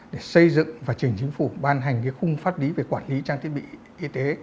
để xây dựng và trình chính phủ ban hành khung pháp lý về quản lý trang thiết bị y tế